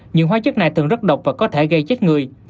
những hóa chất này thường rất độc và có thể gây chết người